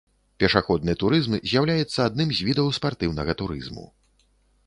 Пешаходны турызм з'яўляецца адным з відаў спартыўнага турызму.